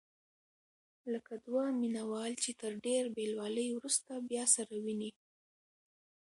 لکه دوه مینه وال چې تر ډېر بېلوالي وروسته بیا سره ویني.